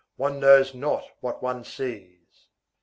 One knows not what one sees.